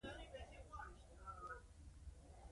دا مفهوم په ذهني میکانیزم کې له نورو مفاهیمو سره اړیکی لري